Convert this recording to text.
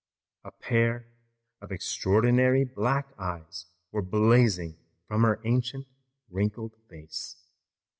A pair of extraordinary black eyes were blazing from her ancient, wrinkled face.